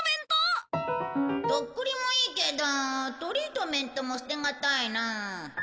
とっくりもいいけどトリートメントも捨てがたいなあ。